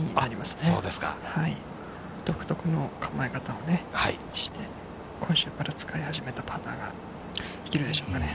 独特の構え方をね、して、今週使い始めたパターが生きるでしょうかね。